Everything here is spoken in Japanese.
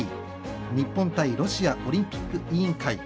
日本対ロシアオリンピック委員会。